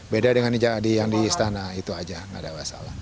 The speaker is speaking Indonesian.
beda dengan yang di istana itu aja nggak ada masalah